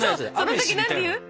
その時何て言う？